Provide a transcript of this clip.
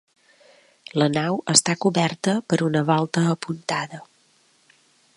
La nau està coberta per una volta apuntada.